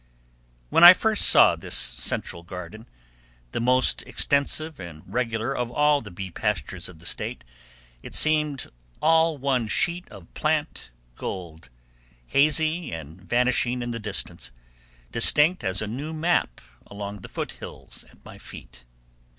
When I first saw this central garden, the most extensive and regular of all the bee pastures of the State, it seemed all one sheet of plant gold, hazy and vanishing in the distance, distinct as a new map along the foot hills at my feet.